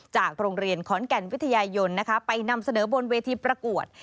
จากโรงเรียนขอนแก่นวิทยายนไปนำเสนอบนเวทีประกวด